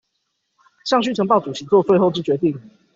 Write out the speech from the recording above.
尚須呈報主席做最後之決定